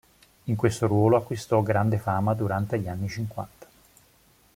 In questo ruolo acquistò grande fama durante gli anni cinquanta.